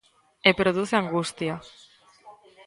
E produce angustia.